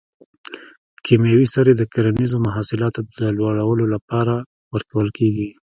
کیمیاوي سرې د کرنیزو حاصلاتو د لوړولو لپاره ورکول کیږي.